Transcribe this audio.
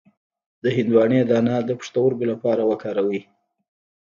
د هندواڼې دانه د پښتورګو لپاره وکاروئ